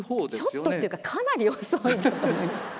「ちょっと」というかかなり遅いんだと思います。